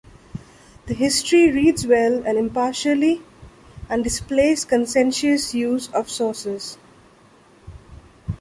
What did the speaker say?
The history reads well and impartially, and displays conscientious use of sources.